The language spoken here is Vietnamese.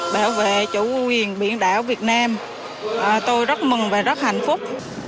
bảo vệ chủ quyền biển đảo việt nam tôi rất mừng và rất hạnh phúc